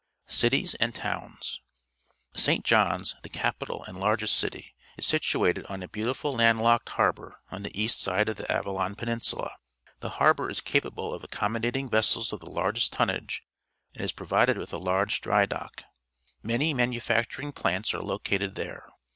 Cities and Towns. — ^i,J *>h7i^, the capital and largest city, is situated on a beautiful land locked harboiu on the east side of the Avalon Peninsula. The harbour is capable of accommodating vessels of the largest tonnage and is pro\'ided with a large dry dock. Many manufacturing plants are located there.